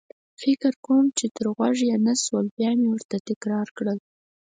فکر کوم چې تر غوږ يې نه شول، بیا مې ورته تکرار کړل.